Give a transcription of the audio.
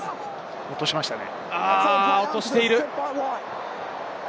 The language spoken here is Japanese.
落としましたね。